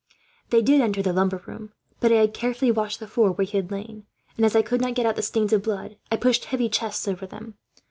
They did enter the lumber room. But I had carefully washed the floor where he had lain and, as I could not get out the stains of blood, I pushed some heavy chests over them.